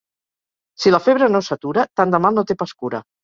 Si la febre no s'atura, tant de mal no té pas cura.